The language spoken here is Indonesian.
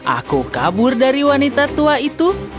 aku kabur dari wanita tua itu